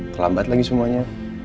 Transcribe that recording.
kelambat lagi semuanya